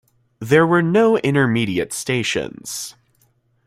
There were no intermediate stations.